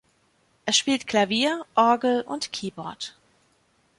Er spielt Klavier, Orgel und Keyboard.